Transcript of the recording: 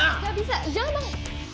gak bisa jangan banget